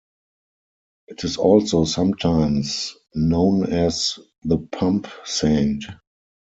It is also sometimes known as the Pumpsaint.